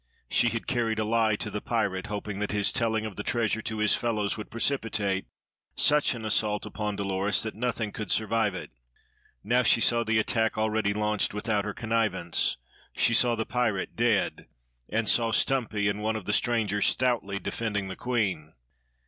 She had carried a lie to the pirate, hoping that his telling of the treasure to his fellows would precipitate such an assault upon Dolores that nothing could survive it. Now she saw the attack already launched without her connivance; she saw the pirate, dead, and saw Stumpy and one of the strangers stoutly defending the queen.